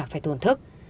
phải tổn thức